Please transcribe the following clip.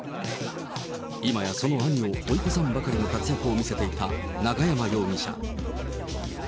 今やその兄を追い越さんばかりの活躍を見せていた永山容疑者。